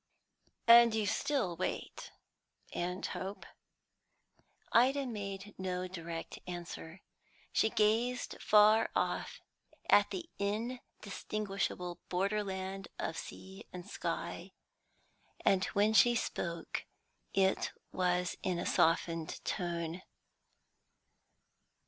"And you still wait still hope?" Ida made no direct answer. She gazed far off at the indistinguishable border land of sea and sky, and when she spoke it was in a softened tone.